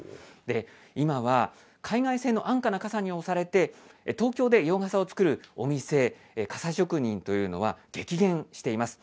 今は海外製の安価な傘に押されて、東京で洋傘を作るお店、傘職人というのは激減しています。